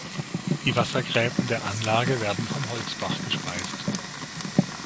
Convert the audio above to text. Die Wassergräben der Anlage werden vom Holzbach gespeist.